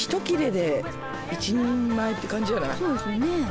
そうですよね。